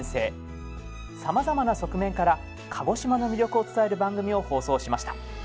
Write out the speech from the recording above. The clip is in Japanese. さまざまな側面から鹿児島の魅力を伝える番組を放送しました。